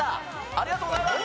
ありがとうございます！